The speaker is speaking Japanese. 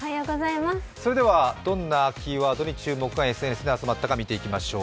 どんなキーワードに注目がＳＮＳで集まったか見ていきましょう。